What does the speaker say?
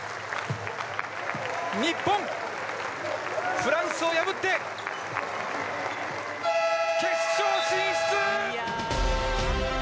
日本、フランスを破って決勝進出！